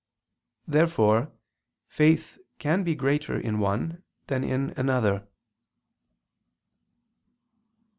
Therefore faith can be greater in one than in another.